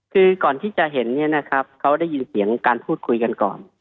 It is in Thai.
คือก่อนที่จะเห็นเนี่ยนะครับเขาได้ยินเสียงการพูดคุยกันก่อน